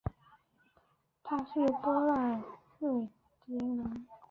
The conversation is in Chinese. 他是波兰裔瑞典人。